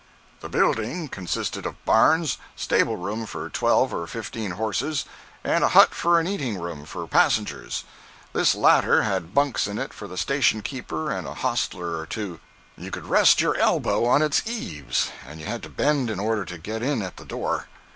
The building consisted of barns, stable room for twelve or fifteen horses, and a hut for an eating room for passengers. This latter had bunks in it for the station keeper and a hostler or two. You could rest your elbow on its eaves, and you had to bend in order to get in at the door.